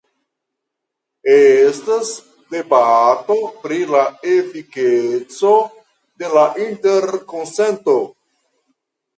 Estas debato pri la efikeco de la interkonsento.